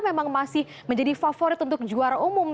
memang masih menjadi favorit untuk juara umum